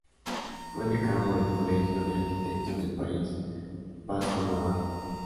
Fue decano del colegio de arquitectos del País Vasco-Navarra.